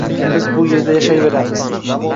Biz shu yerda yashayveramiz!